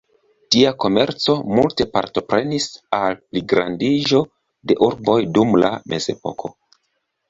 Tia komerco multe partoprenis al pligrandiĝo de urboj dum la mezepoko.